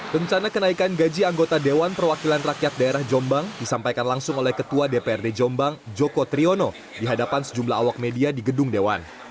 rencana kenaikan gaji anggota dewan perwakilan rakyat daerah jombang disampaikan langsung oleh ketua dprd jombang joko triyono di hadapan sejumlah awak media di gedung dewan